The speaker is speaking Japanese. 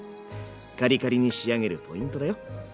カリカリに仕上げるポイントだよ。